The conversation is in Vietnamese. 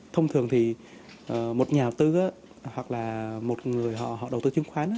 thông thường thì một nhà đầu tư hoặc là một người đầu tư chiến khoán